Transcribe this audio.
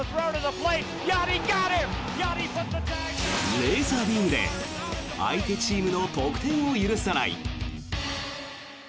レーザービームで相手チームの得点を許さない。